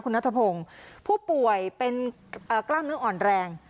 นัทพงศ์ผู้ป่วยเป็นกล้ามเนื้ออ่อนแรง